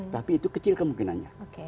tapi itu kecil kemungkinannya